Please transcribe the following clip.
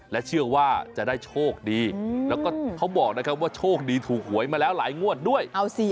และเชื่อว่าจะได้โชคดีแล้วก็เขาบอกนะครับว่าโชคดีถูกหวยมาแล้วหลายงวดด้วย